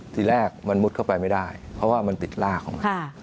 ทีแรกมันมุดเข้าไปไม่ได้เพราะว่ามันติดล่าของมัน